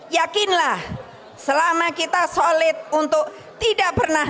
yakinlah selama kita solid untuk tidak pernah